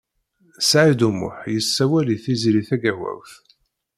Saɛid U Muḥ yessawel i Tiziri Tagawawt.